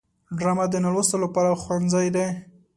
ډرامه د نالوستو لپاره ښوونځی دی